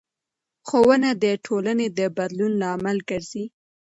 ښوونه د ټولنې د بدلون لامل ګرځي